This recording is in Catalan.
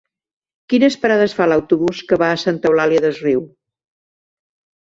Quines parades fa l'autobús que va a Santa Eulària des Riu?